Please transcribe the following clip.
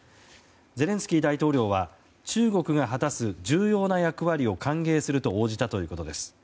ゼレンスキー大統領は中国が果たす重要な役割を歓迎すると応じたということです。